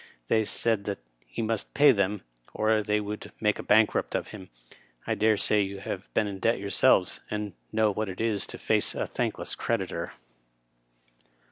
They said that he must pay them, or they would make a bankrupt of him. I dare say you have been in debt yourselves, and know what it is to face a thankless creditor.